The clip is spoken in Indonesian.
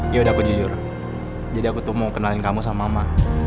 yaudah aku jujur jadi aku tuh mau kenalin kamu sama mama